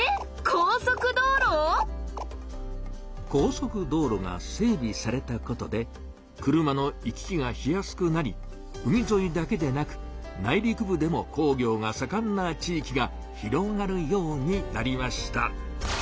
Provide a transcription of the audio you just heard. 高速道路⁉高速道路が整びされたことで車の行き来がしやすくなり海ぞいだけでなく内陸部でも工業がさかんな地域が広がるようになりました。